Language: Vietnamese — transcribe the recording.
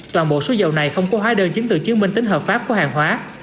toàn bộ số dầu này không có hóa đơn chứng từ chứng minh tính hợp pháp của hàng hóa